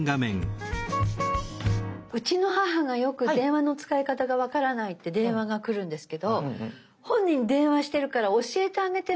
うちの母がよく電話の使い方が分からないって電話が来るんですけど本人電話してるから教えてあげても。